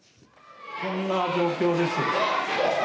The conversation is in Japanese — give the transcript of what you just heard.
こんな状況です。